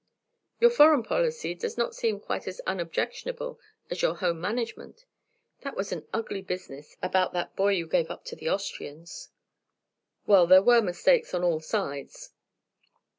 "Your foreign policy does not seem quite as unobjectionable as your home management. That was an ugly business about that boy you gave up to the Austrians." "Well, there were mistakes on all sides.